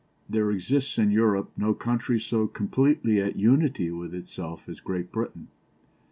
"There exists in Europe no country so completely at unity with itself as Great Britain.